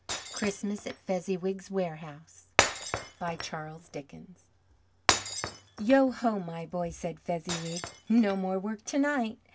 CHRISTMAS AT FEZZIWIG'S WAREHOUSE CHARLES DICKENS "Yo Ho! my boys," said Fezziwig. "No more work to night!